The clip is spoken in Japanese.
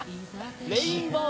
レインボー！